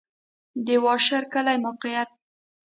د واشر کلی موقعیت